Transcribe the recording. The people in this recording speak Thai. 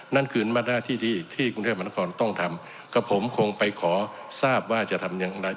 นั่นคือมาหน้าที่ที่กรุงเทพมหานครต้องทำกับผมคงไปขอทราบว่าจะทำอย่างไร